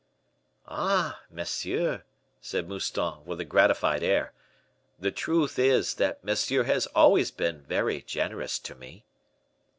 "Ah! monsieur!" said Mouston, with a gratified air. "The truth is, that monsieur has always been very generous to me."